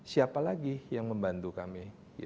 siapa lagi yang membantu kami